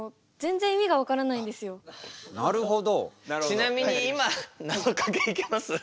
ちなみに今なぞかけいけます？